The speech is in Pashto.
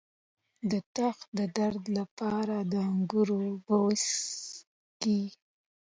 د تخه د درد لپاره د انګور اوبه وڅښئ